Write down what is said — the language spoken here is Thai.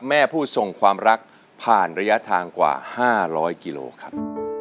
แม่ผู้ส่งความรักผ่านระยะทางกว่า๕๐๐กิโลครับ